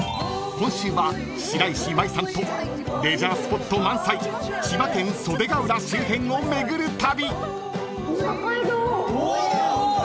［今週は白石麻衣さんとレジャースポット満載千葉県袖ケ浦周辺を巡る旅］